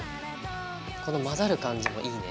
この混ざる感じもいいね。